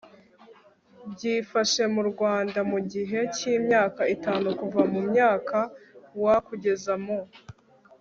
bwifashe mu Rwanda mu gihe cy imyaka itanu kuva mu mwaka w kugeza mu